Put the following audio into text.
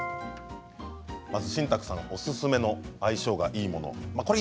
まず新宅さんおすすめの相性がいいもの